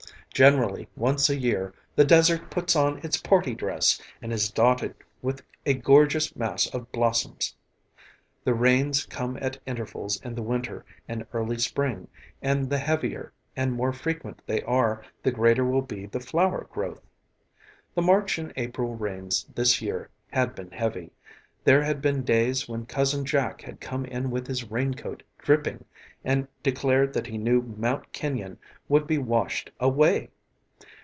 Generally once a year the desert puts on its party dress and is dotted with a gorgeous mass of blossoms. The rains come at intervals in the winter and early spring and the heavier and more frequent they are, the greater will be the flower growth. The March and April rains this year had been heavy. There had been days when Cousin Jack had come in with his raincoat dripping and declared that he knew Mt. Kenyon would be washed away.